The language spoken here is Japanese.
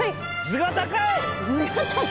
「頭が高い」！？